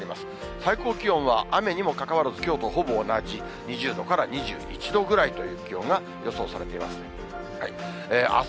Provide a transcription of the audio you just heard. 最高気温は雨にもかかわらず、きょうとほぼ同じ、２０度から２１度ぐらいという気温が予想されています。